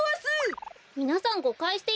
みなさんごかいしていませんか？